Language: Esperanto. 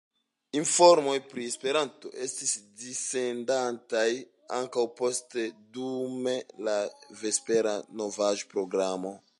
Informoj pri Esperanto estis dissendataj ankaŭ poste dum la vespera novaĵ-programo.